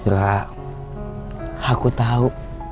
ya aku tau